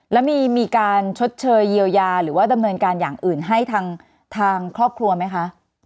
แล้วมีการชดเชยเยียวยาหรือว่าดำเนินการอย่างอื่นให้ทางครอบครัวไหมคะ